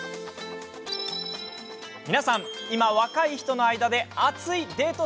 皆さん、今若い人の間で熱いデート